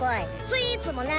スイーツもな！